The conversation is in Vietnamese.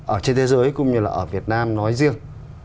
ở trên thế giới cũng như là ở việt nam nói riêng